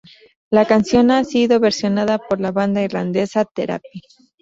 La canción ha sido versionada por la banda irlandesa Therapy?